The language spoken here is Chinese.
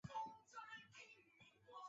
朴勍完是一名韩国男子棒球运动员。